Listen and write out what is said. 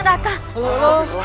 tidak ada apa apa